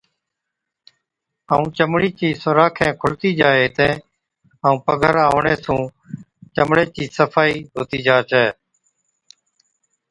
ائُون چمڙِي چين سوراخين کُلتِي جائي هِتين، ائُون پگھر آوَڻي سُون چمڙِي چِي صفائِي هُتِي جا ڇَي۔